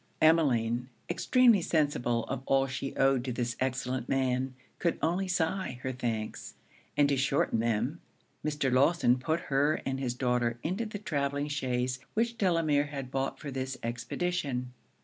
Emmeline, extremely sensible of all she owed to this excellent man, could only sigh her thanks; and to shorten them, Mr. Lawson put her and his daughter into the travelling chaise which Delamere had bought for this expedition.